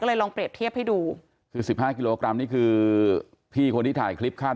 ก็เลยลองเปรียบเทียบให้ดู๑๕กิโลกรัมนี่คือพี่คนที่ถ่ายคลิป